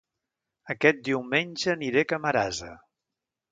Aquest diumenge aniré a Camarasa